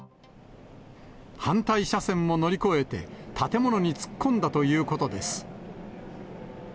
反対車線を乗り越えて、建物に突っ込んだということです。